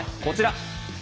こちら。